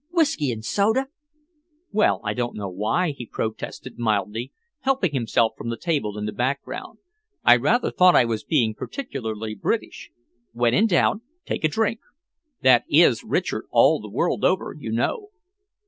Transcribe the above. "Whisky and soda!" "Well, I don't know," he protested mildly, helping himself from the table in the background. "I rather thought I was being particularly British. When in doubt, take a drink. That is Richard all the world over, you know."